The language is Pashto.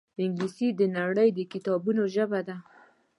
انګلیسي د نړۍ د کتابونو ژبه ده